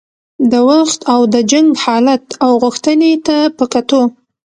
د وخت او د جنګ حالت او غوښتنې ته په کتو.